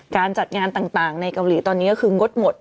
การจัดงานต่างในเกาหลีตอนนี้ก็คืองดหมด